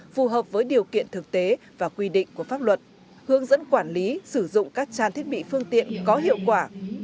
phù hợp với điều kiện thực tế và quy định của pháp luật hướng dẫn quản lý sử dụng các trang thiết bị phương tiện có hiệu quả